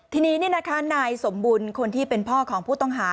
ทีนี้นายสมบุญคนที่เป็นพ่อของผู้ต้องหา